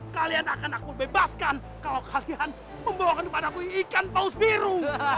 kalian akan aku bebaskan kalau kalian membawakan kepadaku ikan paus biru